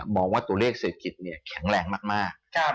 บอกว่าตัวเลขเศรษฐกิจแข็งแรงมาก